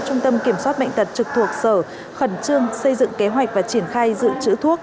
trung tâm kiểm soát bệnh tật trực thuộc sở khẩn trương xây dựng kế hoạch và triển khai dự trữ thuốc